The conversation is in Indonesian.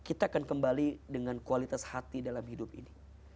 kita akan kembali dengan kualitas hati dalam hidup ini